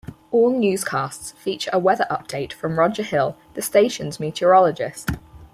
All newscasts feature a weather update from Roger Hill, the station's meteorologist.